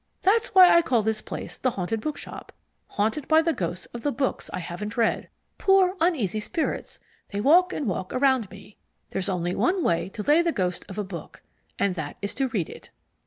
That's why I call this place the Haunted Bookshop. Haunted by the ghosts of the books I haven't read. Poor uneasy spirits, they walk and walk around me. There's only one way to lay the ghost of a book, and that is to read it."